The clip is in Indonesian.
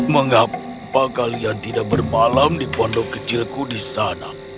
mengapa kalian tidak bermalam di pondok kecilku di sana